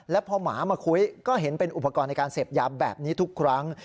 แล้วพอหมามาคุยก็เห็นเป็นอุปกรณ์ในการเสพยาแบบนี้ทุกครั้ง